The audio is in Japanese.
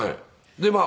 でまあ